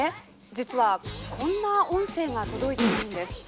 実はこんな音声が届いているんです」